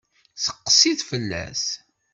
Seqsi-t fell-as.